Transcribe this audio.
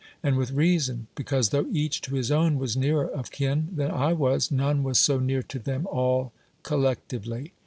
And with reason; because, tho each to his own was nearer of kin than I was, none m as so near to them all collectively.